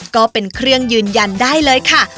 ก็เป็นเครื่องยืนยันได้เลยค่ะ